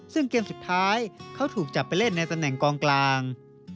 ซึ่งเกมสุดท้ายเขาถูกจับไปเล่นในตำแหน่งกองกลาง